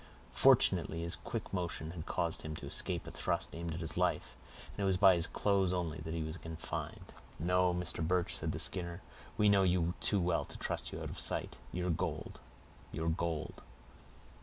Fortunately, his quick motion had caused him to escape a thrust aimed at his life, and it was by his clothes only that he was confined. "No, Mr. Birch," said the Skinner, "we know you too well to trust you out of sight—your gold, your gold!"